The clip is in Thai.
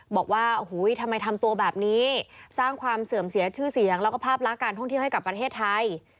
บอกว่าโอ้โหทำไมทำตัวแบบนี้สร้างความเสื่อมเสียชื่อเสียงแล้วก็ภาพลักษณ์การท่องเที่ยวให้กับประเทศไทย